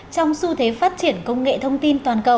trong xu thế phát triển công nghệ thông tin toàn cầu